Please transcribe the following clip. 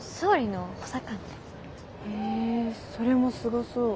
へえそれもすごそう。